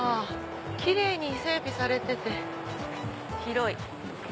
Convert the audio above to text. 奇麗に整備されてて広い。